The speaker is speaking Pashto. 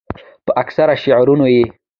پۀ اکثره شعرونو ئې